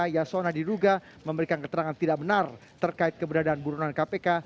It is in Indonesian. yasona diduga memberikan keterangan tidak benar terkait keberadaan buronan kpk